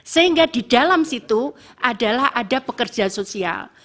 sehingga di dalam situ adalah ada pekerja sosial